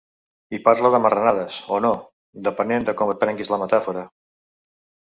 I parla de marranades, o no, depenent de com et prenguis la metàfora.